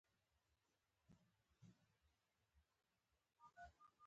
توکل ګټور دی.